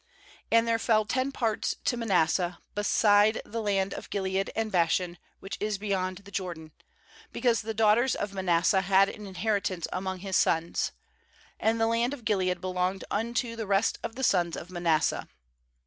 f 5And there f eH ten parts to Manasseh', beside the land of Gilead and Bashan, which is beyond the Jor dan; 6because the daughters of Manas seh had an inheritance among his sons; and the land of Gilead belonged unto the rest of the sons of Manasseh.